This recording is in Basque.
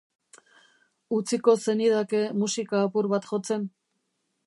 Utziko zenidake musika apur bat jotzen?